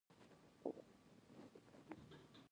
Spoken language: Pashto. د احادیثو دې لویو مخکښانو ځکه هغه رد او وغورځول.